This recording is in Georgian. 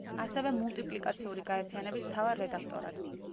ასევე მულტიპლიკაციური გაერთიანების მთავარ რედაქტორად.